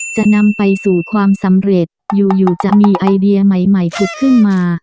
จะนำไปสู่ความสำเร็จอยู่จะมีไอเดียใหม่ผุดขึ้นมา